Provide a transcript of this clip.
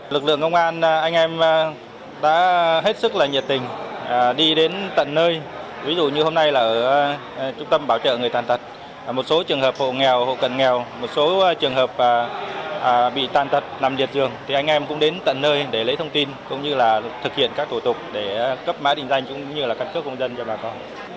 lực lượng công an anh em đã hết sức là nhiệt tình đi đến tận nơi ví dụ như hôm nay là ở trung tâm bảo trợ người tần tật một số trường hợp hộ nghèo hộ cần nghèo một số trường hợp bị tần tật nằm liệt dường thì anh em cũng đến tận nơi để lấy thông tin cũng như là thực hiện các tổ tục để cấp mã định danh cũng như là cân cước công dân cho bà con